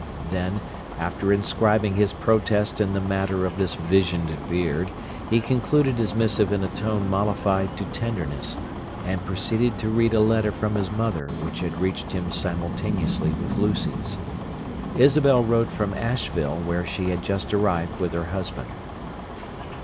Then, after inscribing his protest in the matter of this visioned beard, he concluded his missive in a tone mollified to tenderness, and proceeded to read a letter from his mother which had reached him simultaneously with Lucy's. Isabel wrote from Asheville, where she had just arrived with her husband.